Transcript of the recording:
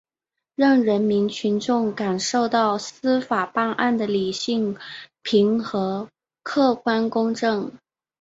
让人民群众感受到司法办案的理性平和、客观公正